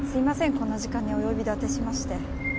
こんな時間にお呼び立てしまして。